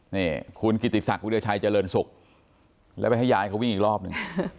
นี่คุณกิติศักดิราชัยเจริญศุกร์แล้วไปให้ยายเขาวิ่งอีกรอบหนึ่ง